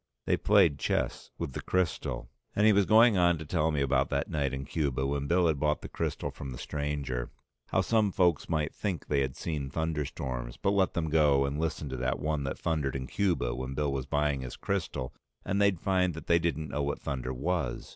They played chess with the crystal. And he was going on to tell me about that night in Cuba when Bill had bought the crystal from the stranger, how some folks might think they had seen thunderstorms, but let them go and listen to that one that thundered in Cuba when Bill was buying his crystal and they'd find that they didn't know what thunder was.